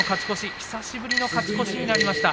久しぶりの勝ち越しになります。